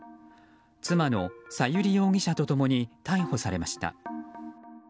妻の小百合容疑者と共に逮捕されました。